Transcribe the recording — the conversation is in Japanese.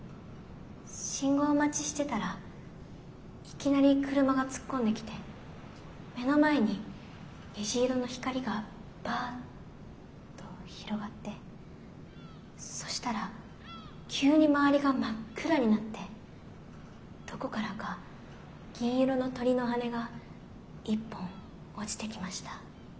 信号待ちしてたらいきなり車が突っ込んできて目の前に虹色の光がバッと広がってそしたら急に周りが真っ暗になってどこからか銀色の鳥の羽根が一本落ちてきました。